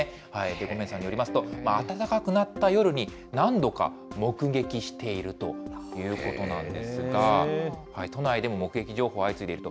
五明さんによりますと、暖かくなった夜に何度か、目撃しているということなんですが、都内でも目撃情報が相次いでいると。